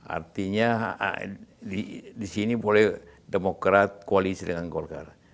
artinya disini boleh demokrat koalisi dengan golkar